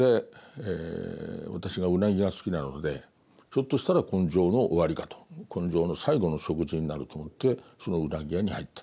私がウナギが好きなのでひょっとしたら今生の終わりかと今生の最後の食事になると思ってそのウナギ屋に入った。